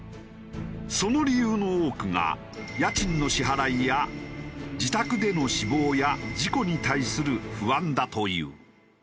その理由の多くが家賃の支払いや自宅での死亡や事故に対する不安だという。